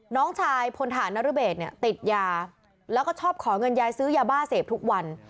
น้องชายพลฐานรเบศเนี่ยติดยาแล้วก็ชอบขอเงินยายซื้อยาบ้าเสพทุกวัน